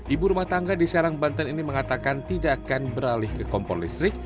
ibu rumah tangga di serang banten ini mengatakan tidak akan beralih ke kompor listrik